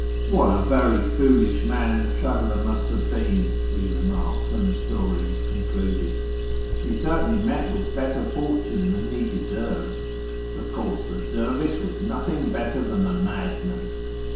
'"" "What a very foolisli man the traveller must have been," we remarked when the story was concluded ;" lie certainly met with better fortune than lie deserved. Of course the dervisli was nothing better than a madman."